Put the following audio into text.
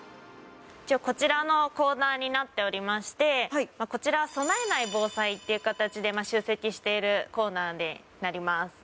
こちらのコーナーになっておりまして、こちら、備えない防災っていう形で集積しているコーナーとなります。